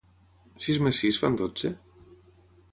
Sis més sis fan dotze?